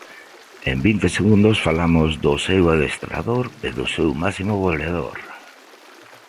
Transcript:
En vinte segundos falamos do seu adestrador e do seu máximo goleador.